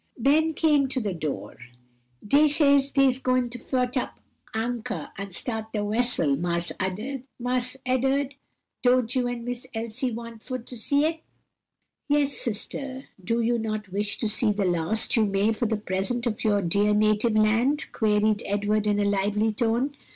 '" Ben came to the door. "Dey says dey's goin' to fotch up de anchor and start de wessel, Marse Ed'ard. Don't you and Miss Elsie want for to see it?" "Yes, sister, do you not wish to see the last you may, for the present, of your dear native land?" queried Edward in a lively tone.